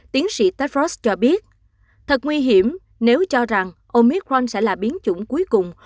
tiến sĩ techfrost cho biết thật nguy hiểm nếu cho rằng omicron sẽ là biến chủng cuối cùng